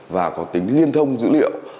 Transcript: và có tính liên thông dữ liệu